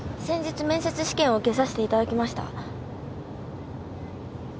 先日面接試験を受けさせていただきました。